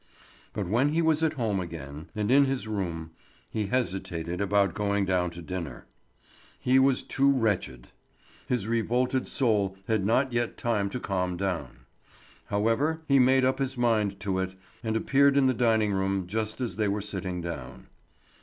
But when he was at home again, and in his room, he hesitated about going down to dinner. He was too wretched. His revolted soul had not yet time to calm down. However, he made up his mind to it, and appeared in the dining room just as they were sitting down.